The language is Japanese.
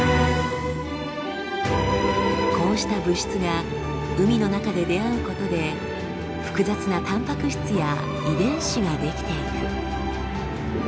こうした物質が海の中で出会うことで複雑なたんぱく質や遺伝子が出来ていく。